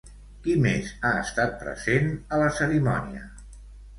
Qui més ha estat present a la cerimònia?